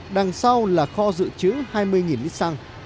đằng sau là kho dự trữ hai mươi lít xăng